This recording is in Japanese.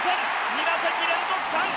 ２打席連続三振。